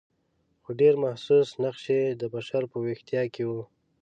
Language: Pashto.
خو ډېر محسوس نقش یې د بشر په ویښتیا کې و.